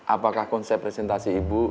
apakah konsep presentasi ibu